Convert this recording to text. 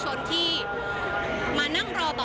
ตอนนี้เป็นครั้งหนึ่งครั้งหนึ่ง